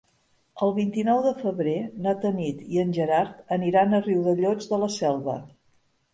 El vint-i-nou de febrer na Tanit i en Gerard aniran a Riudellots de la Selva.